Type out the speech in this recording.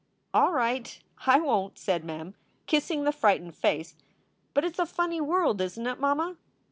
"All right, I won t," said Mem, kissing the frightened face; "but it s a funny world, isn t it, mamma?"